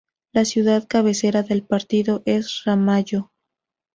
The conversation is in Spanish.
La ciudad cabecera del partido es Ramallo.